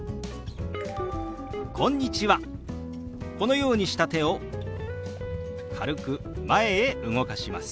このようにした手を軽く前へ動かします。